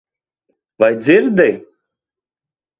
Vai dzirdi?